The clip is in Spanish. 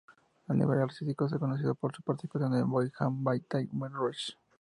A nivel artístico es conocido por su participación en la boyband Big Time Rush.